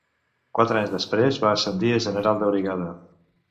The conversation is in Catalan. Quatre anys després va ascendir a general de brigada.